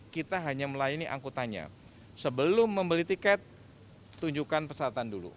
kita hanya melayani angkutannya sebelum membeli tiket tunjukkan persyaratan dulu